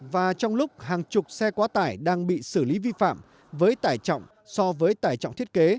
và trong lúc hàng chục xe quá tải đang bị xử lý vi phạm với tải trọng so với tải trọng thiết kế